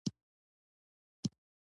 په پښتو ادبیاتو کې که نثر دی او که شعر.